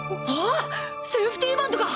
セーフティーバントか！